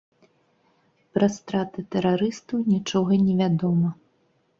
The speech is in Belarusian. Пра страты тэрарыстаў нічога невядома.